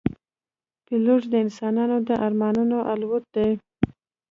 پیلوټ د انسان د ارمانونو الوت دی.